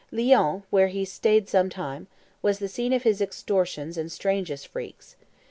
Lyons, where he staid some time, was the scene of his extortions and strangest freaks.